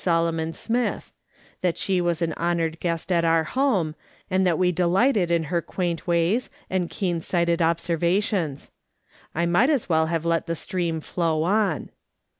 Solomon Smith ; that she was an honoured guest at our home, and that we delighted in her quaint ways and keen siglited observations. I might as well have let the stream flow on.